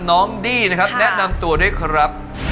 น้องดี้แนะนำตัวด้วยครับ